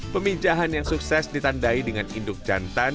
peminjahan yang sukses ditandai dengan induk jantan